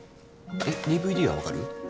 えっＤＶＤは分かる？